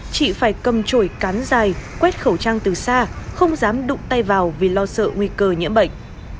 chị phải cầm trổi cán dài quét khẩu trang từ xa không dám đụng tay vào vì lo sợ nguy cơ nhiễm bệnh